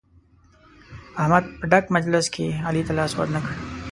احمد په ډک مجلس کې علي ته لاس ور نه کړ.